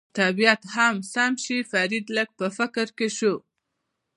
طبیعت هم سم شي، فرید لږ په فکر کې شو.